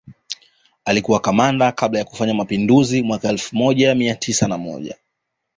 Alikua kamanda kabla ya kufanya mapinduzi mwaka elfu moja mia tisa na moja